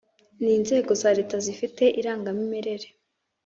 n inzego za Leta zifite irangamimerere